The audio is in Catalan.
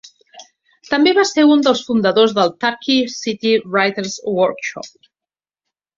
També va ser un dels fundadors del Turkey City Writer's Workshop.